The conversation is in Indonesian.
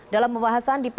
dalam pembahasan di pemilu